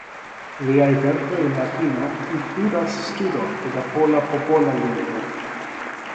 Liaj verkoj en Latino inkludas studon de la pola popola lingvo.